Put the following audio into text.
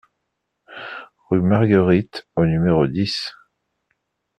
Rue Marguerite au numéro dix